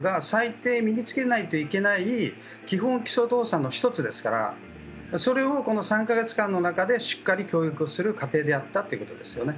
そして、小銃というのは陸上自衛官が最低身に付けないといけない基本基礎動作の１つですからそれをこの３か月間の中でしっかりと教育をする過程であったということです。